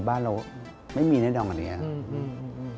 บ้านเราไม่มีในเดียวกันอย่างนี้